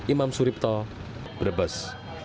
imam suripto brebes